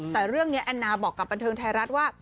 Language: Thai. แต่เรื่องนี้แอนนาบอกกับบันเทิงไทยรัฐว่า